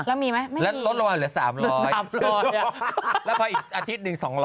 แล้วมีไหมไม่มีแล้วลดละวันเหลือ๓๐๐อังนั้นแล้วพออีกอาทิตย์๑๒๐๐